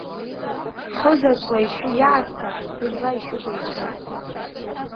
Хызаҵәла ишьу иаасҭа, бызла ишьу деицәоуп.